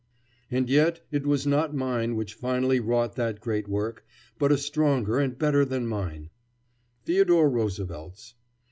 And yet it was not mine which finally wrought that great work, but a stronger and better than mine, Theodore Roosevelt's.